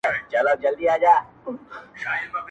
قرنطین دی لګېدلی د سرکار امر چلیږي،